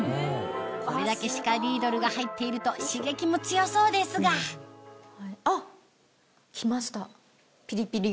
これだけシカリードルが入っていると刺激も強そうですがあっきましたピリピリが。